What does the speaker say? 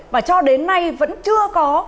và cho đến nay vẫn chưa có